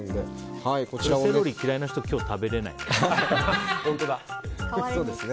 セロリ嫌いな人は今日食べれないね。